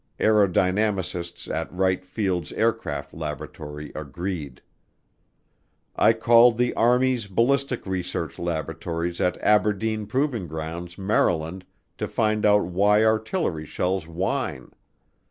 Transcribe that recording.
Aerodynamicists at Wright Field's Aircraft Laboratory agreed. I called the Army's Ballistic Research Laboratories at Aberdeen Proving Grounds, Maryland, to find out why artillery shells whine.